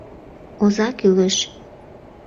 — Оза кӱлеш...